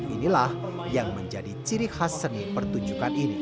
inilah yang menjadi ciri khas seni pertunjukan ini